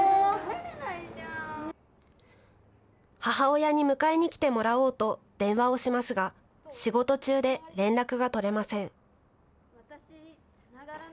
母親に迎えに来てもらおうと電話をしますが仕事中で連絡が取れません。